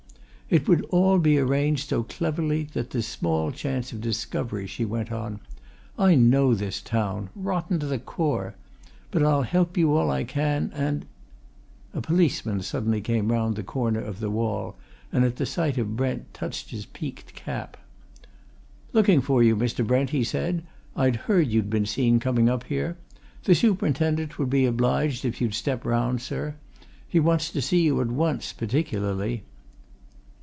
"It would all be arranged so cleverly that there's small chance of discovery," she went on. "I know this town rotten to the core! But I'll help you all I can, and " A policeman suddenly came round the corner of the wall, and at sight of Brent touched his peaked cap. "Looking for you, Mr. Brent," he said. "I heard you'd been seen coming up here. The superintendent would be obliged if you'd step round, sir; he wants to see you at once, particularly."